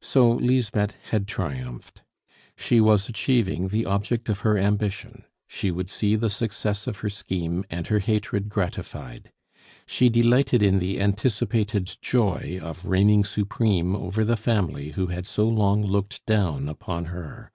So Lisbeth had triumphed. She was achieving the object of her ambition, she would see the success of her scheme, and her hatred gratified. She delighted in the anticipated joy of reigning supreme over the family who had so long looked down upon her.